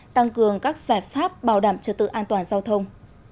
tăng cường các giải pháp bảo đảm trật tự an toàn giao thông